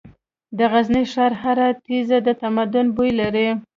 د غزني ښار هره تیږه د تمدن بوی لري.